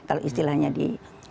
kalau istilahnya di